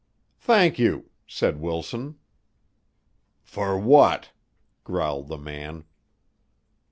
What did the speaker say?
"Thank you," said Wilson. "For what?" growled the man.